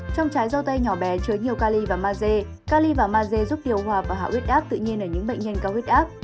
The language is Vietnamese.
trong trái dâu tây nhỏ bé chứa nhiều cali và maze cali và maze giúp điều hòa và hạ huyết áp tự nhiên ở những bệnh nhân cao huyết áp